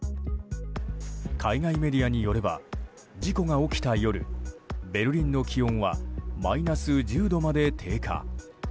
海外メディアによれば事故が起きた夜ベルリンの気温はマイナス１０度まで低下。